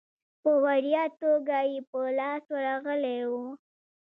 په وړیا توګه یې په لاس ورغلی وو.